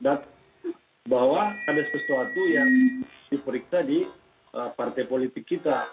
dan bahwa ada sesuatu yang diperiksa di partai politik kita